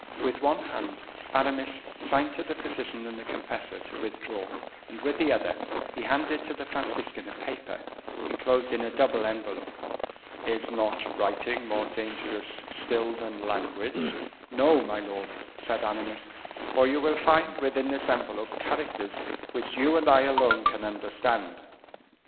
With one hand Aramis signed to the physician and the confessor to withdraw, and with the other he handed to the Franciscan a paper enclosed in a double envelope. "Is not writing more dangerous still than language?" "No, my lord," said Aramis, "for you will find within this envelope characters which you and I alone can understand."